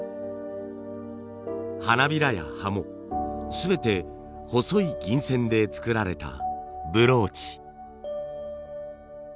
花びらや葉も全て細い銀線で作られたブローチ。